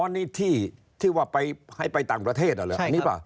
อ๋อนี่ที่ที่ว่าให้ไปต่างประเทศอ่ะหรือ